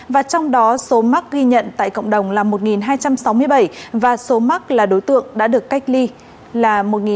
và trong đó số mắc ghi nhận tại cộng đồng là một hai trăm sáu mươi bảy và số mắc là đối tượng đã được cách ly là một hai trăm linh bảy